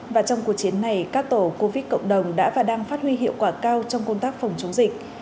và trong cuộc chiến này các tổ covid cộng đồng đã và đang phát huy hiệu quả cao trong công tác phòng chống dịch